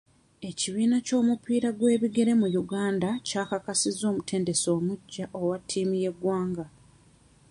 Ekibiina ky'omupiira gw'ebigere mu Uganda kyakansizza omutendesi omuggya wa ttiimu y'eggwanga.